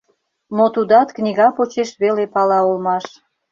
Но тудат книга почеш веле пала улмаш.